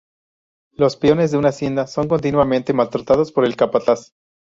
Los peones de una hacienda son continuamente maltratados por el capataz.